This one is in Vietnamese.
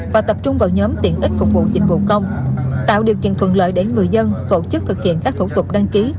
và tập trung vào nhóm tiện ích phục vụ dịch vụ công tạo điều kiện thuận lợi để người dân tổ chức thực hiện các thủ tục đăng ký